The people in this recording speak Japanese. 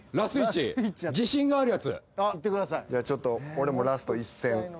俺もラスト１戦。